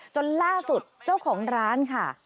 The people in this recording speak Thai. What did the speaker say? จนล่าสุดเจ้าของร้านค่ะ